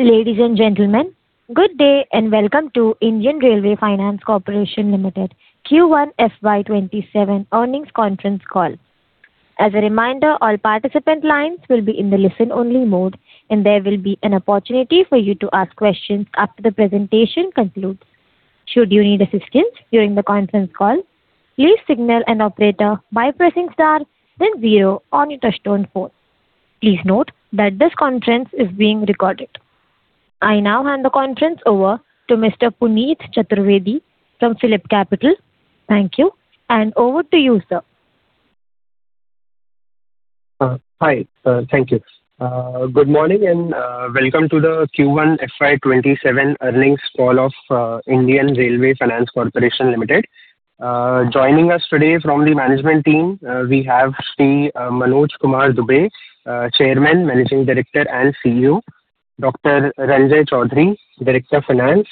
Ladies and gentlemen, good day and welcome to Indian Railway Finance Corporation Limited Q1 FY 2027 earnings conference call. As a reminder, all participant lines will be in the listen only mode, and there will be an opportunity for you to ask questions after the presentation concludes. Should you need assistance during the conference call, please signal an operator by pressing star then zero on your touchtone phone. Please note that this conference is being recorded. I now hand the conference over to Mr. Puneet Chaturvedi from PhillipCapital. Thank you, and over to you, sir. Hi. Thank you. Good morning and welcome to the Q1 FY 2027 earnings call of Indian Railway Finance Corporation Limited. Joining us today from the management team we have Shri Manoj Kumar Dubey, Chairman, Managing Director and Chief Executive Officer, Dr. Ranjay Choudhary, Director of Finance,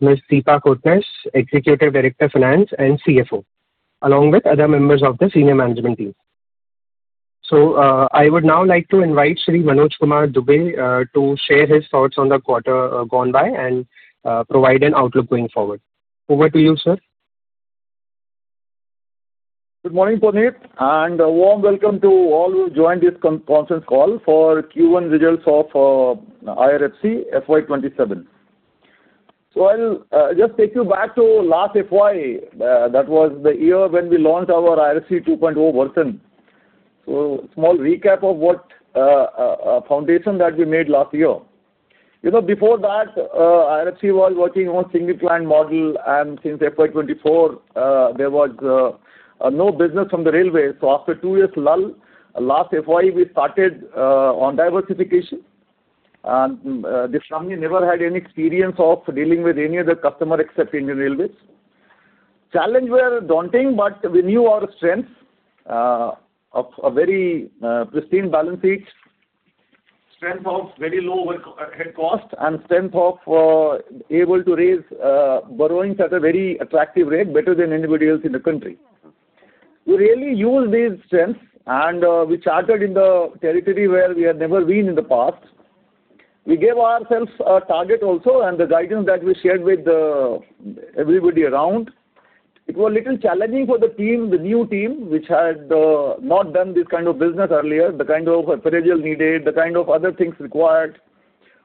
Ms. Deepa Kotnis, Executive Director of Finance and Chief Financial Officer, along with other members of the senior management team. I would now like to invite Shri Manoj Kumar Dubey to share his thoughts on the quarter gone by and provide an outlook going forward. Over to you, sir. Good morning, Puneet, and a warm welcome to all who joined this conference call for Q1 results of IRFC FY 2027. I'll just take you back to last FY. That was the year when we launched our IRFC 2.0 version. A small recap of what foundation that we made last year. Before that IRFC was working on single client model and since FY 2024 there was no business from the railway. After two years lull, last FY we started on diversification. And this company never had any experience of dealing with any other customer except Indian Railways. Challenge were daunting, but we knew our strength of a very pristine balance sheet, strength of very low overhead cost, and strength of able to raise borrowings at a very attractive rate, better than anybody else in the country. We really used these strengths and we charted in the territory where we had never been in the past. We gave ourselves a target also and the guidance that we shared with everybody around. It was a little challenging for the new team, which had not done this kind of business earlier, the kind of credentials needed, the kind of other things required.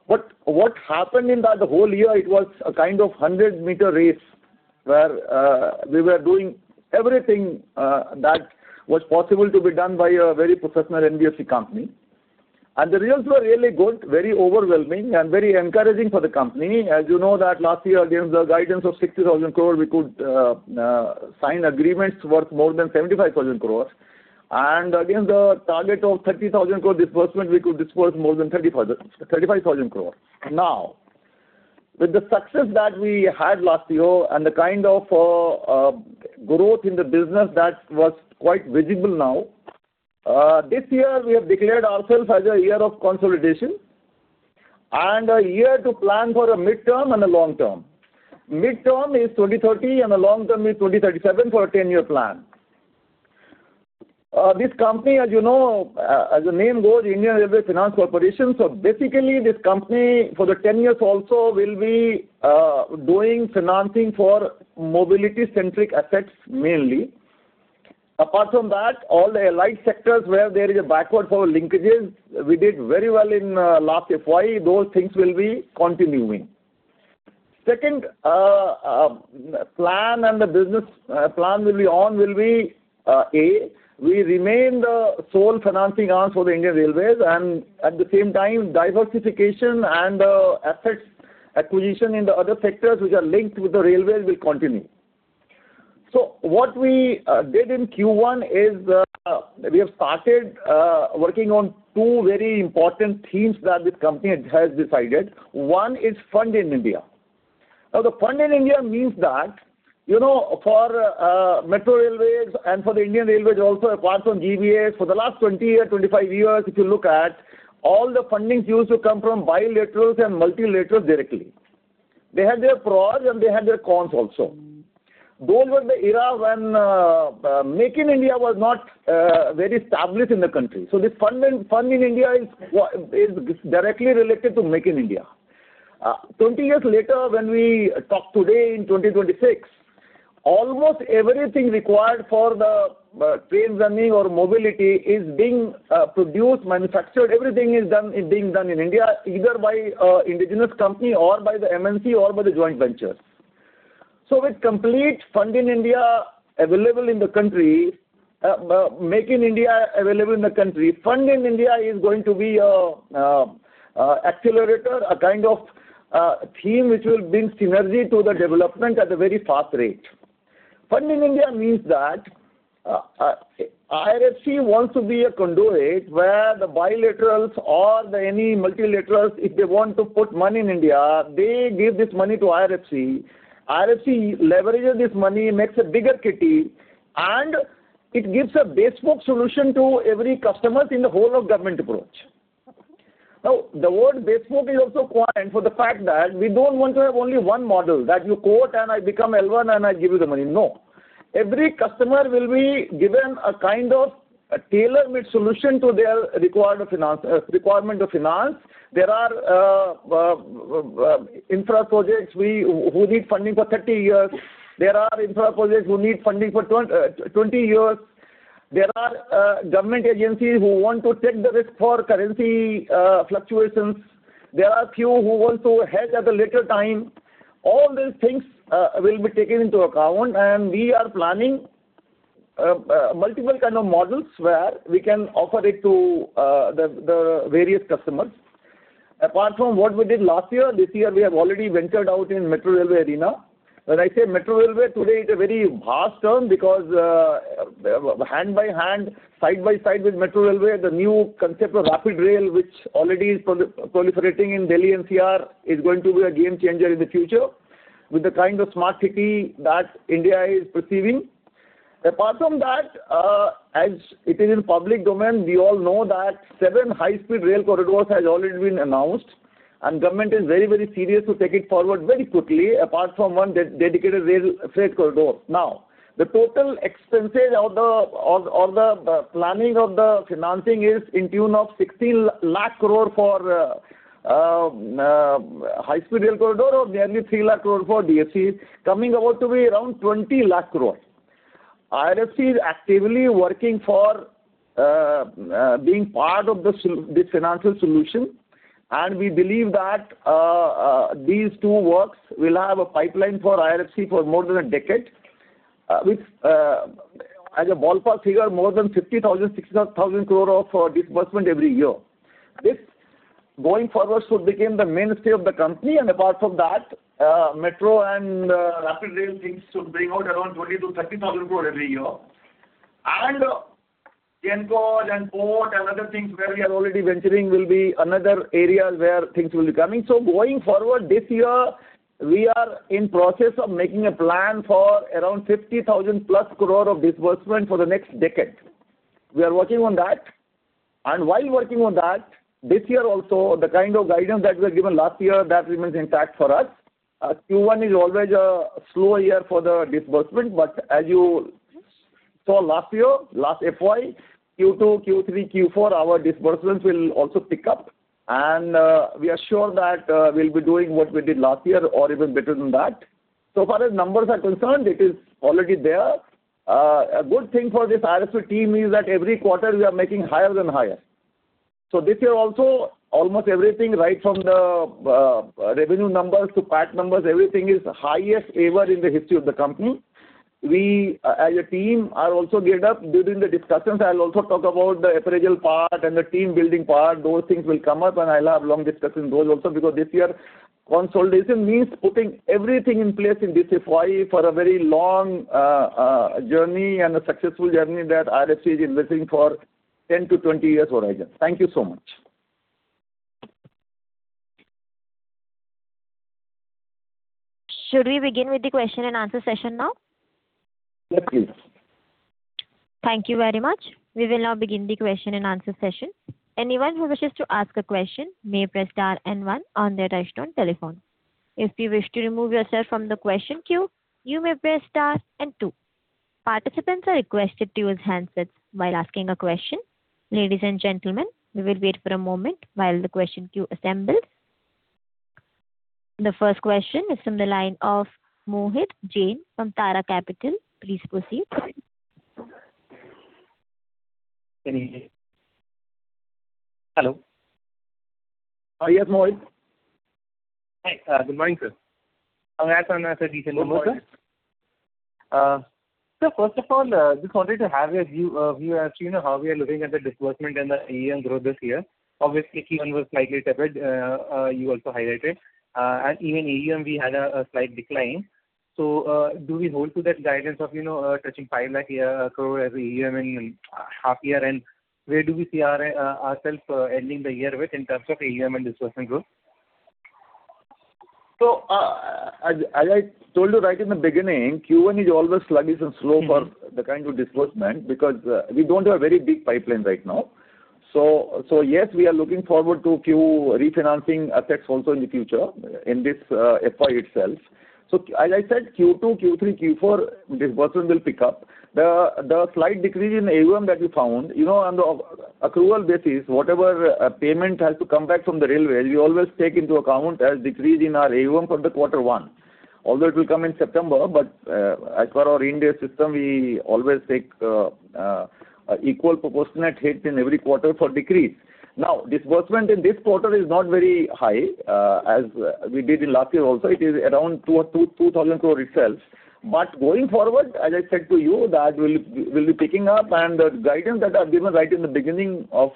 What happened in that whole year it was a kind of 100 m race where we were doing everything that was possible to be done by a very professional NBFC company. The results were really good, very overwhelming, and very encouraging for the company. As you know that last year against the guidance of 60,000 crore we could sign agreements worth more than 75,000 crore. Against the target of 30,000 crore disbursement, we could disburse more than 35,000 crore. With the success that we had last year and the kind of growth in the business that was quite visible now, this year we have declared ourself as a year of consolidation and a year to plan for a midterm and a long term. Midterm is 2030 and a long term is 2037 for a 10-year plan. This company, as you know, as the name goes, Indian Railway Finance Corporation. Basically this company for the 10 years also will be doing financing for mobility centric assets mainly. Apart from that, all the allied sectors where there is a backward forward linkages, we did very well in last FY, those things will be continuing. Second plan and the business plan will be, A, we remain the sole financing arm for the Indian Railways and at the same time diversification and assets acquisition in the other sectors which are linked with the railway will continue. What we did in Q1 is we have started working on two very important themes that this company has decided. One is fund in India. The fund in India means that for metro railways and for the Indian Railways also, apart from GBS, for the last 20 years, 25 years if you look at, all the fundings used to come from bilaterals and multilaterals directly. They had their pros and they had their cons also. Those were the era when Make in India was not very established in the country. This fund in India is directly related to Make in India. 20 years later when we talk today in 2026, almost everything required for the train running or mobility is being produced, manufactured, everything is being done in India either by an indigenous company or by the MNC or by the joint ventures. With complete Make in India available in the country, fund in India is going to be an accelerator, a kind of theme which will bring synergy to the development at a very fast rate. Fund in India means that IRFC wants to be a conduit where the bilaterals or any multilaterals, if they want to put money in India, they give this money to IRFC. IRFC leverages this money, makes a bigger kitty, and it gives a bespoke solution to every customers in the whole of government approach. The word bespoke is also coined for the fact that we don't want to have only one model that you quote and I become L1 and I give you the money. No. Every customer will be given a kind of tailor-made solution to their requirement of finance. There are infra projects who need funding for 30 years. There are infra projects who need funding for 20 years. There are government agencies who want to take the risk for currency fluctuations. There are few who want to hedge at a later time. All these things will be taken into account and we are planning multiple kind of models where we can offer it to the various customers. Apart from what we did last year, this year we have already ventured out in metro railway arena. When I say metro railway, today it's a very vast term because hand by hand, side by side with metro railway, the new concept of rapid rail, which already is proliferating in Delhi NCR, is going to be a game changer in the future with the kind of smart city that India is perceiving. Apart from that, as it is in public domain, we all know that seven high speed rail corridors has already been announced, and Government is very serious to take it forward very quickly, apart from one dedicated rail freight corridor. Now, the total expenses or the planning of the financing is in tune of 16 lakh crore for high speed rail corridor, or nearly 3 lakh crore for DFCC, coming about to be around 20 lakh crore. IRFC is actively working for being part of this financial solution. We believe that these two works will have a pipeline for IRFC for more than a decade. Which as a ballpark figure, more than 50,000 crore-60,000 crore of disbursement every year. This, going forward, should become the mainstay of the company. Apart from that metro and rapid rail things should bring out around 20,000 crore-30,000 crore every year. GENCO and port and other things where we are already venturing will be another area where things will be coming. Going forward, this year, we are in process of making a plan for around 50,000+ crore of disbursement for the next decade. We are working on that. While working on that, this year also, the kind of guidance that we had given last year, that remains intact for us. Q1 is always a slow year for the disbursement. As you saw last year, last FY, Q2, Q3, Q4, our disbursements will also pick up. We are sure that we'll be doing what we did last year or even better than that. Far as numbers are concerned, it is already there. A good thing for this IRFC team is that every quarter we are making higher and higher. This year also, almost everything, right from the revenue numbers to PAT numbers, everything is highest ever in the history of the company. We, as a team, are also geared up. During the discussions, I'll also talk about the appraisal part and the team-building part. Those things will come up and I'll have long discussion those also, because this year consolidation means putting everything in place in this FY for a very long journey and a successful journey that IRFC is investing for 10 years-20 years horizon. Thank you so much. Should we begin with the question and answer session now? Yes, please. Thank you very much. We will now begin the question and answer session. Anyone who wishes to ask a question may press star and one on their touchtone telephone. If you wish to remove yourself from the question queue, you may press star and two. Participants are requested to use handsets while asking a question. Ladies and gentlemen, we will wait for a moment while the question queue assembles. The first question is from the line of Mohit Jain from Tara Capital. Please proceed. Hello. Yes, Mohit. Hi. Good morning, sir. Sir, first of all, just wanted to have your view as to how we are looking at the disbursement and the AUM growth this year. Obviously, Q1 was slightly tepid, you also highlighted. Even AUM, we had a slight decline. Do we hold to that guidance of touching 5 lakh crore every year and half year? Where do we see ourselves ending the year with in terms of AUM and disbursement growth? As I told you right in the beginning, Q1 is always sluggish and slow for the kind of disbursement because we don't have very big pipeline right now. Yes, we are looking forward to few refinancing assets also in the future, in this FY itself. As I said, Q2, Q3, Q4, disbursement will pick up. The slight decrease in AUM that you found, on the accrual basis, whatever payment has to come back from the Indian Railways, we always take into account as decrease in our AUM for the Q1. Although it will come in September, but as per our Ind AS system, we always take equal proportionate hit in every quarter for decrease. Disbursement in this quarter is not very high. As we did in last year also, it is around 2,000 crore itself. Going forward, as I said to you, that will be picking up and the guidance that I've given right in the beginning of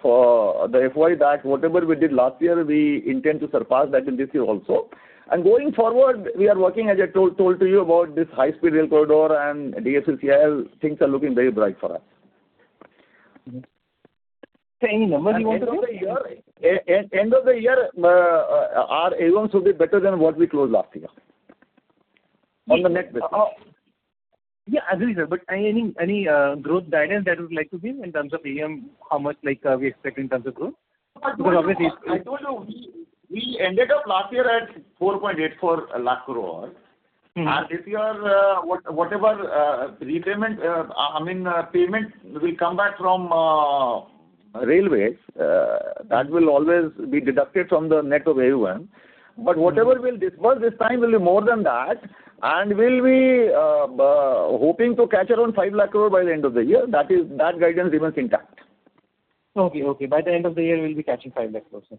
the FY, that whatever we did last year, we intend to surpass that in this year also. Going forward, we are working, as I told to you, about this high speed rail corridor and DFCCIL, things are looking very bright for us. Sir, any number you want to give? At the end of the year, our AUMs will be better than what we closed last year. On the net basis. Agreed, sir. Any growth guidance that you would like to give in terms of AUM? How much we expect in terms of growth? I told you, we ended up last year at 4.84 lakh crore. Whatever payment will come back from Indian Railways, that will always be deducted from the net of AUM. Whatever we'll disburse this time will be more than that, and we'll be hoping to catch around 5 lakh crore by the end of the year. That guidance remains intact. Okay. By the end of the year, we'll be catching 5 lakh crore, sir.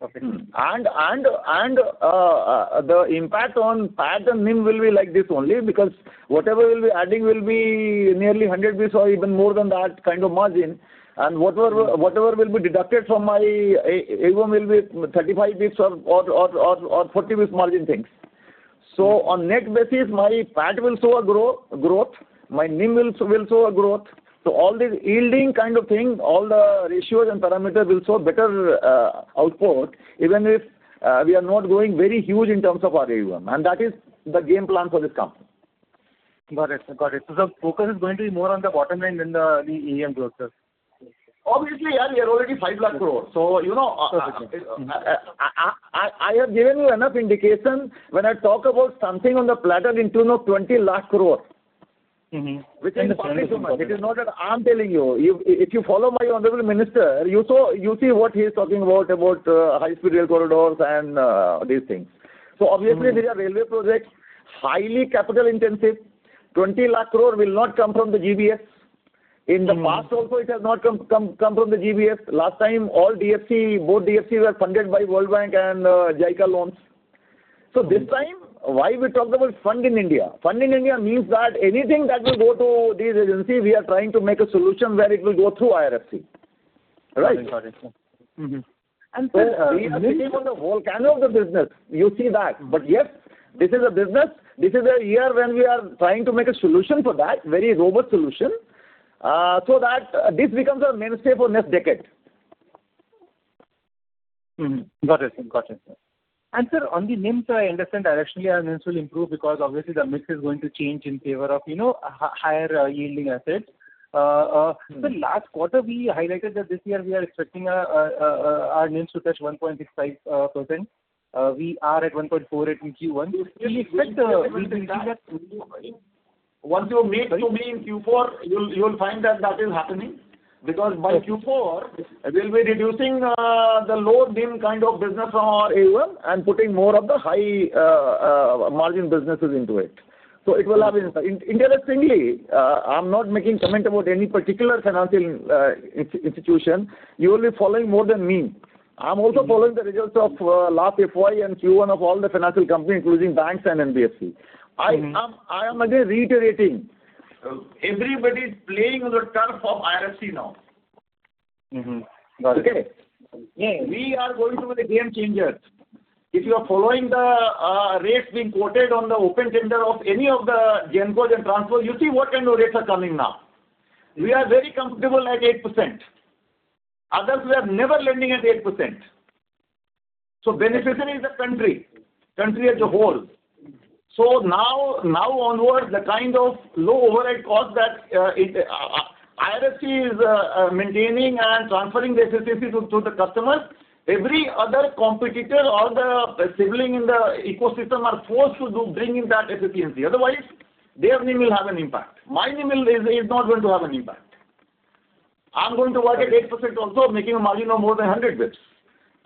Perfect. The impact on PAT and NIM will be like this only because whatever we will be adding will be nearly 100 basis points or even more than that kind of margin. Whatever will be deducted from my AUM will be 35 basis points or 40 basis points margin things. On net basis, my PAT will show a growth, my NIM will show a growth. All this yielding kind of thing, all the ratios and parameters will show better output, even if we are not going very huge in terms of our AUM. That is the game plan for this company. Got it. The focus is going to be more on the bottom line than the AUM growth, sir. Obviously. We are already 5 lakh crore. Perfect, sir. I have given you enough indication when I talk about something on the platter in tune of 20 lakh crore. Which is plenty too much. It is not that I'm telling you. If you follow my honorable minister, you see what he is talking about high-speed rail corridors and these things. Obviously, these are railway projects, highly capital intensive. 20 lakh crore will not come from the GBS. In the past also, it has not come from the GBS. Last time, both DFCs were funded by World Bank and JICA loans. This time, why we talk about Fund in India? Fund in India means that anything that will go to these agencies, we are trying to make a solution where it will go through IRFC. Right? Got it. We are sitting on the volcano of the business, you see that. Yes, this is a business. This is a year when we are trying to make a solution for that, very robust solution, so that this becomes our mainstay for next decade. Got it, sir. Sir, on the NIMs, I understand directionally our NIMs will improve because obviously the mix is going to change in favor of higher yielding assets. Sir, last quarter, we highlighted that this year we are expecting our NIMs to touch 1.65%. We are at 1.48% in Q1. Do we expect we will reach that? Once you meet me in Q4, you'll find that that is happening. By Q4, we'll be reducing the low NIM kind of business from our AUM and putting more of the high margin businesses into it. It will have impact. Interestingly, I'm not making comment about any particular financial institution. You will be following more than me. I am also following the results of last FY and Q1 of all the financial companies, including banks and NBFCs. I am again reiterating, everybody is playing on the turf of IRFC now. Got it. Okay? We are going to be the game changers. If you are following the rates being quoted on the open tender of any of the GENCOs and TRANSCO, you see what kind of rates are coming now. We are very comfortable at 8%. Others were never lending at 8%. Beneficiary is the country as a whole. Now onwards, the kind of low overhead cost that IRFC is maintaining and transferring the efficiency to the customers, every other competitor or the sibling in the ecosystem are forced to bring in that efficiency. Otherwise, their NIM will have an impact. My NIM is not going to have an impact. I'm going to work at 8% also, making a margin of more than 100 basis points.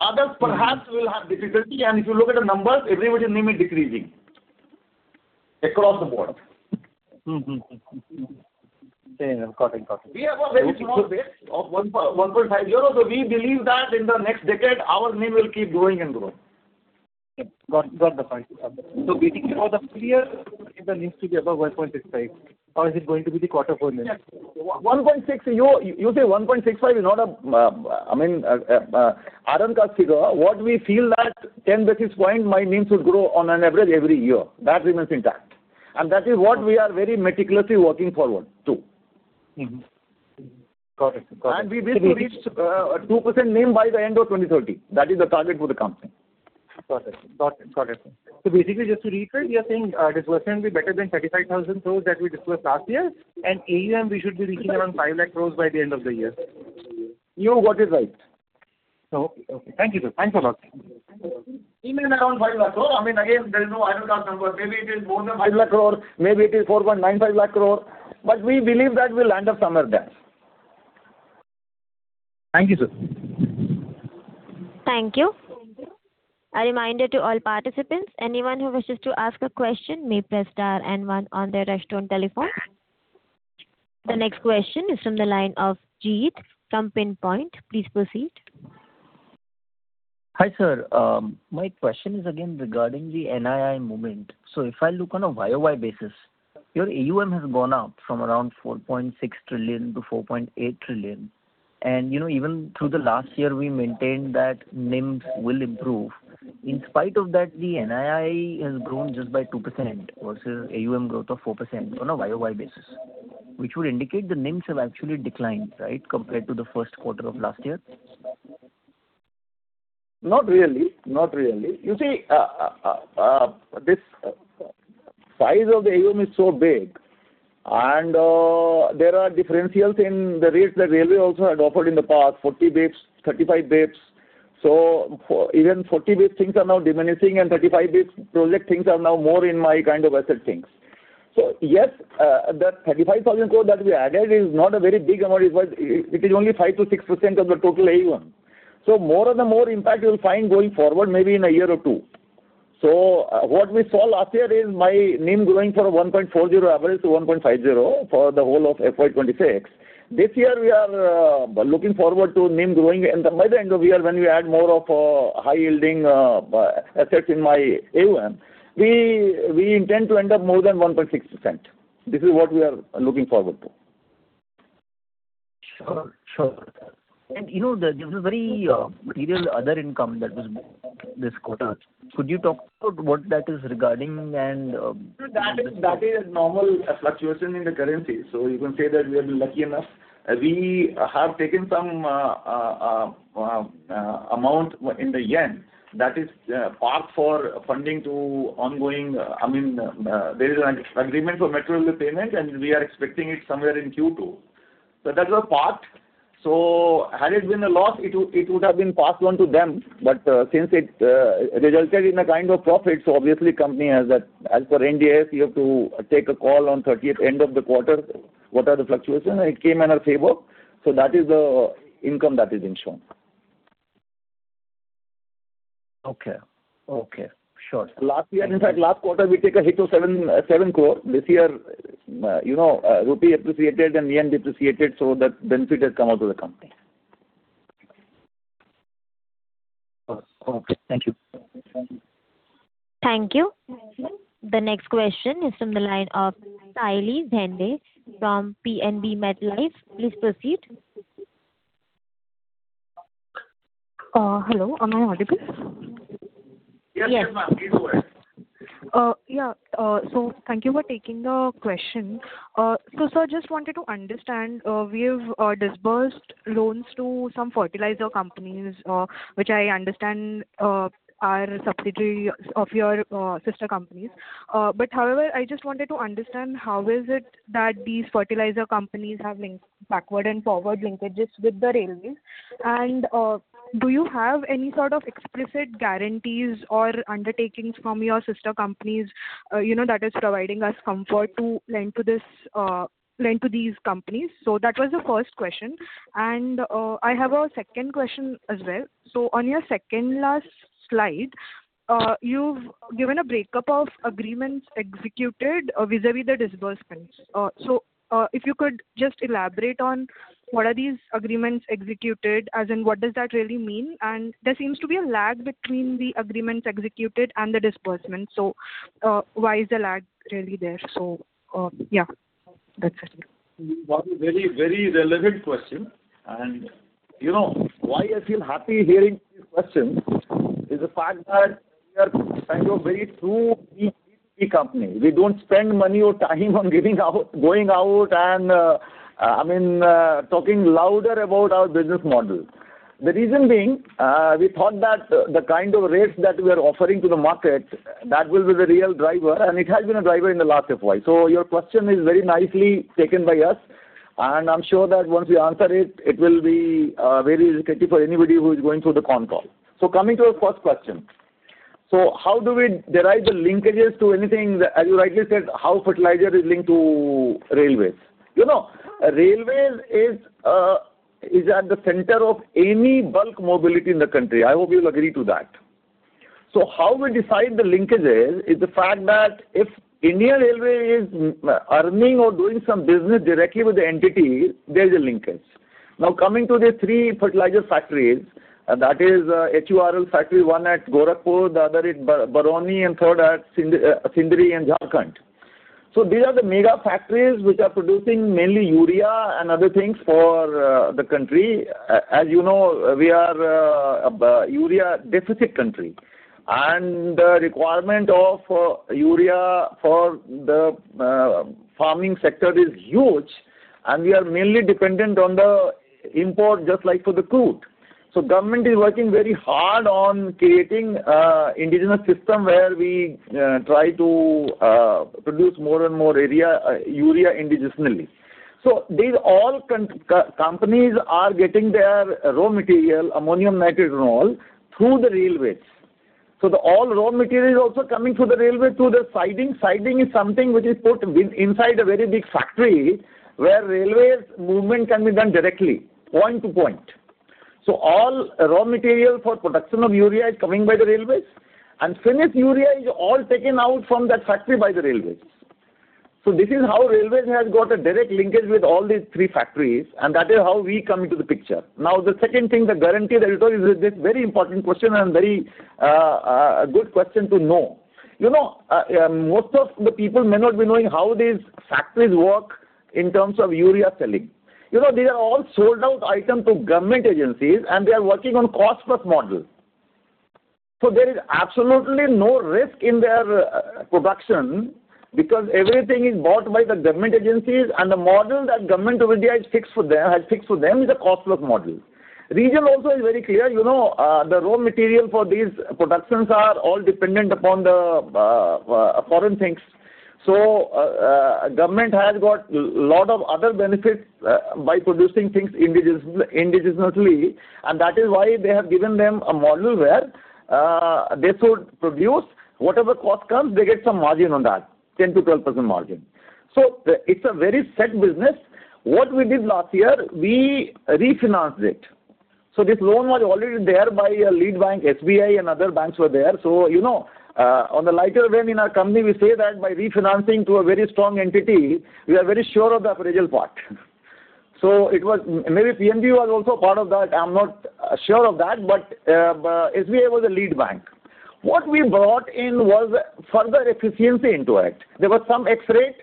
Others perhaps will have difficulty. If you look at the numbers, everybody NIM is decreasing across the board. Got it. We have a very small base of 1.50. We believe that in the next decade, our NIM will keep growing and growing. Got the point. Basically for the full year, the NIMs to be above 1.65, or is it going to be the quarter four NIM? You say 1.65 is not a, I mean, iron cast figure. What we feel that 10 basis point my NIM should grow on an average every year. That remains intact. That is what we are very meticulously working forward to. Got it. We wish to reach 2% NIM by the end of 2030. That is the target for the company. Got it. Basically just to recap, we are saying disbursement will be better than 35,000 crores that we disbursed last year, and AUM we should be reaching around 5 lakh crores by the end of the year. You got it right. Okay. Thank you, sir. Thanks a lot. In and around 5 lakh crore. I mean, again, there is no ironclad number. Maybe it is more than 5 lakh crore, maybe it is 4.95 lakh crore, but we believe that we'll land up somewhere there. Thank you, sir. Thank you. A reminder to all participants, anyone who wishes to ask a question may press star and one on their telephone. The next question is from the line of Jeet Shah from Pinpoint. Please proceed. Hi, sir. My question is again regarding the NII movement. If I look on a year-over-year basis, your AUM has gone up from around 4.6 trillion-4.8 trillion. Even through the last year, we maintained that NIMs will improve. In spite of that, the NII has grown just by 2% versus AUM growth of 4% on a year-over-year basis, which would indicate the NIMs have actually declined, right, compared to the first quarter of last year? Not really. You see, this size of the AUM is so big, there are differentials in the rates that Railway also had offered in the past, 40 basis points, 35 basis points. Even 40 basis points things are now diminishing and 35 basis points project things are now more in my kind of asset things. Yes, that 35,000 crore that we added is not a very big amount, it is only 5%-6% of the total AUM. More and more impact you'll find going forward maybe in a year or two. What we saw last year is my NIM growing from 1.40% average to 1.50% for the whole of FY 2026. This year we are looking forward to NIM growing and by the end of the year, when we add more of high yielding assets in my AUM, we intend to end up more than 1.6%. This is what we are looking forward to. Sure. There was very material other income that was this quarter. Could you talk about what that is regarding and. That is normal fluctuation in the currency. You can say that we are lucky enough. We have taken some amount in the yen that is parked for funding. There is an agreement for metro payment and we are expecting it somewhere in Q2. That was parked. Had it been a loss, it would have been passed on to them. But since it resulted in a kind of profit, obviously company has that. As per Ind AS, you have to take a call on 30th end of the quarter what are the fluctuation, and it came in our favor. That is the income that is in shown. Okay. Sure. Last year, in fact last quarter, we take a hit of 7 crore. This year, rupee appreciated and yen depreciated, that benefit has come out to the company. Okay. Thank you. Thank you. The next question is from the line of Sayali Zende from PNB MetLife. Please proceed. Hello, am I audible? Yes. Yes. Yeah. Thank you for taking the question. Sir, just wanted to understand, we have disbursed loans to some fertilizer companies, which I understand are subsidiary of your sister companies. However, I just wanted to understand how is it that these fertilizer companies have backward and forward linkages with the railway and do you have any sort of explicit guarantees or undertakings from your sister companies that is providing us comfort to lend to these companies? That was the first question. I have a second question as well. On your second last slide, you've given a breakup of agreements executed vis-a-vis the disbursements. If you could just elaborate on what are these agreements executed, as in what does that really mean? There seems to be a lag between the agreements executed and the disbursement. Why is the lag really there? Yeah. That's it. Very relevant question. Why I feel happy hearing these questions is the fact that we are kind of very true PPP company. We don't spend money or time on going out and talking louder about our business model. The reason being, we thought that the kind of rates that we are offering to the market, that will be the real driver, and it has been a driver in the last FY. Your question is very nicely taken by us, and I'm sure that once we answer it will be very illustrative for anybody who is going through the con call. Coming to your first question. How do we derive the linkages to anything, as you rightly said, how fertilizer is linked to railways? Railways is at the center of any bulk mobility in the country. I hope you'll agree to that. How we decide the linkages is the fact that if Indian Railways is earning or doing some business directly with the entity, there's a linkage. Now coming to the three fertilizer factories, that is HURL factory, one at Gorakhpur, the other at Barauni and third at Sindri in Jharkhand. These are the mega factories which are producing mainly urea and other things for the country. As you know, we are a urea deficit country, and the requirement of urea for the farming sector is huge and we are mainly dependent on the import just like for the crude. Government is working very hard on creating indigenous system where we try to produce more and more urea indigenously. These all companies are getting their raw material, Ammonium Nitrate and all, through the railways. All raw material is also coming through the railway through the siding. Siding is something which is put inside a very big factory where railways movement can be done directly, point to point. All raw material for production of urea is coming by the railways and finished urea is all taken out from that factory by the railways. This is how railways has got a direct linkage with all these three factories and that is how we come into the picture. Now the second thing, the guarantee that you told is a very important question and very good question to know. Most of the people may not be knowing how these factories work in terms of urea selling. These are all sold out item to government agencies and they are working on cost-plus model. There is absolutely no risk in their production because everything is bought by the government agencies and the model that Government of India has fixed for them is a cost-plus model. Region also is very clear. The raw material for these productions are all dependent upon the foreign things. Government has got lot of other benefits by producing things indigenously, and that is why they have given them a model where they should produce. Whatever cost comes, they get some margin on that, 10%-12% margin. It's a very set business. What we did last year, we refinanced it. This loan was already there by our lead bank, SBI and other banks were there. On a lighter vein in our company, we say that by refinancing to a very strong entity, we are very sure of the appraisal part. Maybe PNB was also part of that. I'm not sure of that, but SBI was the lead bank. What we brought in was further efficiency into it. There was some X rate.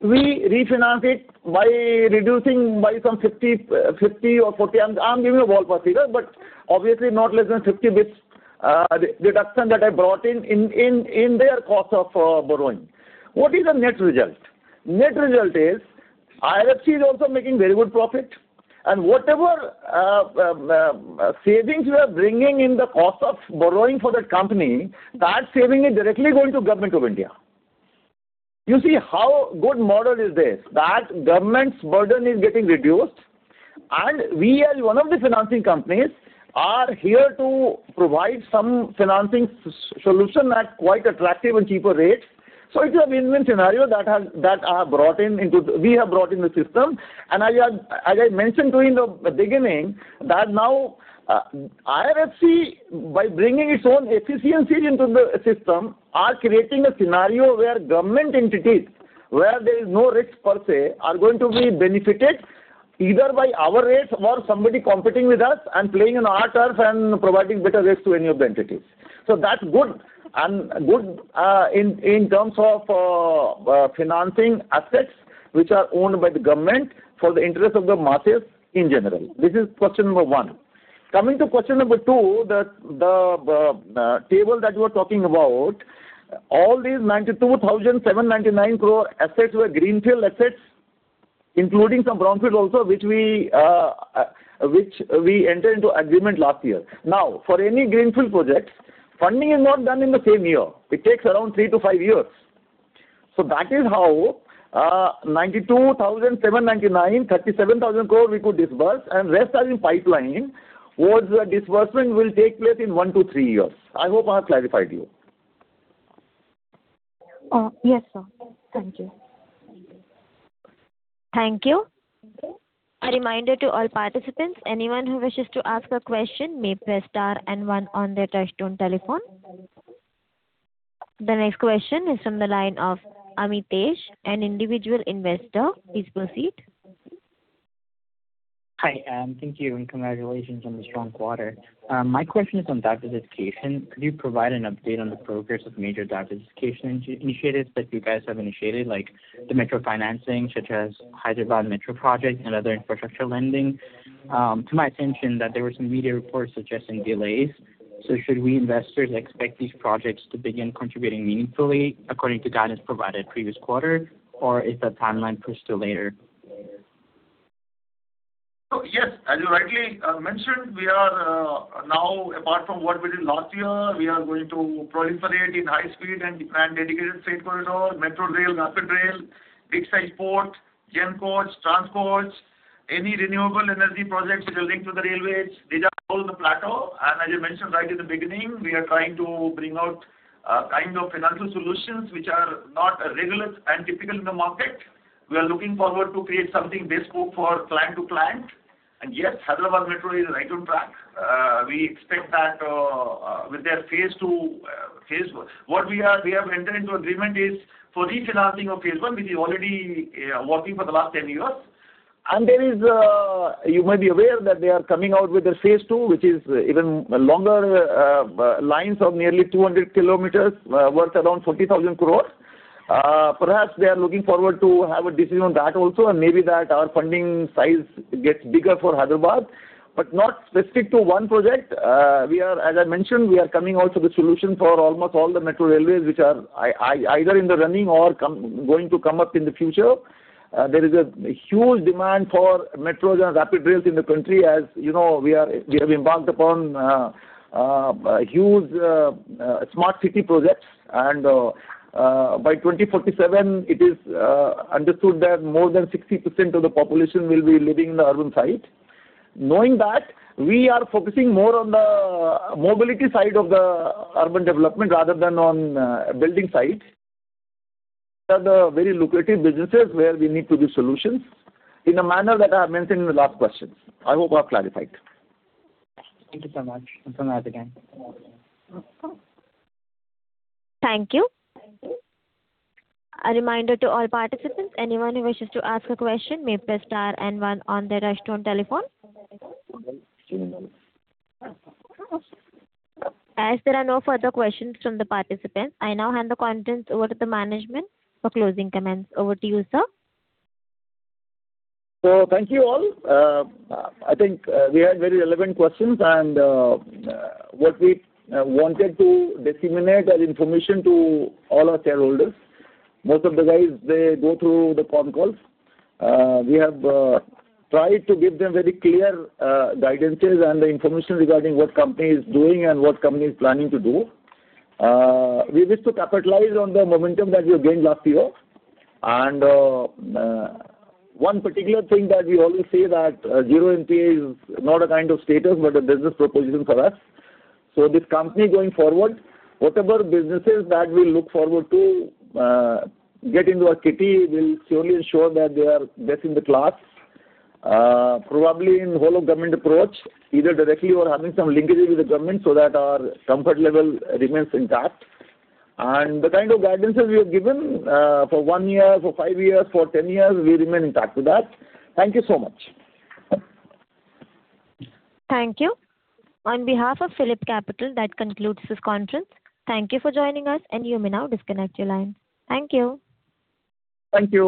We refinance it by reducing by some 50 or 40. I'm giving a ball figure, but obviously not less than 50 with deduction that I brought in their cost of borrowing. What is the net result? Net result is IRFC is also making very good profit and whatever savings we are bringing in the cost of borrowing for that company, that saving is directly going to Government of India. You see how good model is this, that government's burden is getting reduced and we as one of the financing companies are here to provide some financing solution at quite attractive and cheaper rates. It's a win-win scenario that we have brought in the system and as I mentioned to you in the beginning, that now IRFC by bringing its own efficiencies into the system, are creating a scenario where government entities, where there is no risk per se, are going to be benefited either by our rates or somebody competing with us and playing on our turf and providing better rates to any of the entities. That's good in terms of financing assets which are owned by the government for the interest of the masses in general. This is question number one. Coming to question number two, the table that you are talking about, all these 92,799 crore assets were greenfield assets, including some brownfield also which we entered into agreement last year. Now, for any greenfield projects, funding is not done in the same year. It takes around three to five years. That is how 92,799, 37,000 crore we could disburse and rest are in pipeline whose disbursement will take place in one to three years. I hope I have clarified you. Yes, sir. Thank you. Thank you. A reminder to all participants, anyone who wishes to ask a question may press star and one on their touchtone telephone. The next question is from the line of Amitesh, an Individual Investor. Please proceed. Hi, thank you and congratulations on the strong quarter. My question is on diversification. Could you provide an update on the progress of major diversification initiatives that you guys have initiated, like the metro financing such as Hyderabad Metro project and other infrastructure lending? To my attention that there were some media reports suggesting delays. Should we investors expect these projects to begin contributing meaningfully according to guidance provided previous quarter, or is that timeline pushed to later? Yes, as you rightly mentioned, we are now apart from what we did last year, we are going to proliferate in high speed and planned dedicated state corridor, metro rail, rapid rail, big size port, GeM portal, transports, any renewable energy projects which are linked to the railways. These are all in the plateau and as I mentioned right in the beginning, we are trying to bring out a kind of financial solutions which are not regular and typical in the market. We are looking forward to create something bespoke for client to client. Yes, Hyderabad Metro is right on track. We expect that with their phase two. What we have entered into agreement is for refinancing of phase one, which is already working for the last 10 years. You might be aware that they are coming out with the phase two, which is even longer lines of nearly 200 km, worth around 40,000 crore. Perhaps they are looking forward to have a decision on that also and maybe that our funding size gets bigger for Hyderabad, but not specific to one project. As I mentioned, we are coming out with solution for almost all the metro railways which are either in the running or going to come up in the future. There is a huge demand for metros and rapid rails in the country. As you know, we have embarked upon huge smart city projects and by 2047 it is understood that more than 60% of the population will be living in the urban side. Knowing that, we are focusing more on the mobility side of the urban development rather than on building side. These are the very lucrative businesses where we need to give solutions in a manner that I mentioned in the last questions. I hope I've clarified. Thank you so much. Thank you. A reminder to all participants, anyone who wishes to ask a question may press star and one on their touchtone telephone. As there are no further questions from the participants, I now hand the conference over to the management for closing comments. Over to you, sir. Thank you all. I think we had very relevant questions and what we wanted to disseminate as information to all our shareholders. Most of the guys, they go through the con calls. We have tried to give them very clear guidances and the information regarding what company is doing and what company is planning to do. We wish to capitalize on the momentum that we have gained last year and one particular thing that we always say that zero NPA is not a kind of status but a business proposition for us. This company going forward, whatever businesses that we look forward to get into our kitty will surely ensure that they are best in the class. Probably in whole of government approach, either directly or having some linkages with the government so that our comfort level remains intact. The kind of guidances we have given for one year, for five years, for 10 years, we remain intact with that. Thank you so much. Thank you. On behalf of PhillipCapital, that concludes this conference. Thank you for joining us and you may now disconnect your line. Thank you. Thank you.